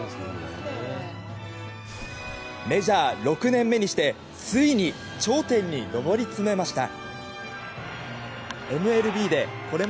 メジャー６年目にしてついに頂点に上り詰めました。